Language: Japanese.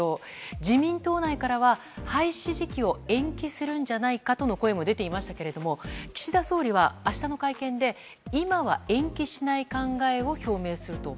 自民党内からは、廃止時期を延期するんじゃないかとの声も出ていましたけれども岸田総理は明日の会見で今は延期しない考えを表明すると。